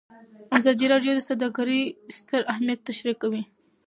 ازادي راډیو د سوداګري ستر اهميت تشریح کړی.